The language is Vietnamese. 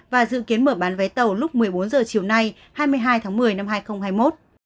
và dự kiến mở bán vé tàu lúc một mươi bốn h chiều nay hai mươi hai tháng một mươi năm hai nghìn hai mươi một